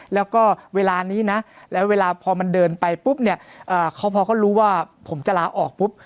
แล้วก็เวลานี้นะแล้วเวลาพอมันเดินไปปุ๊บเนี่ยเขาพอเขารู้ว่าผมจะลาออกปุ๊บ